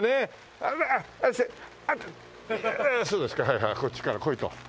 そうですかはいはいこっちから来いと。